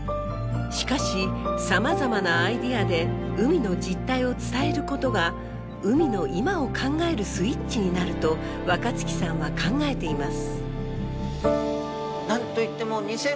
しかしさまざまなアイデアで海の実態を伝えることが海の今を考えるスイッチになると若月さんは考えています。